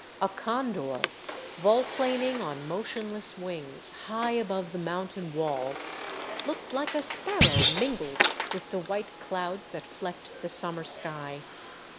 A condor, volplaning on motionless wings high above the mountain wall, looked like a sparrow mingled with the white clouds that flecked the summer sky.